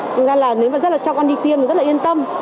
nên là nếu mà rất là cho con đi tiêm thì rất là yên tâm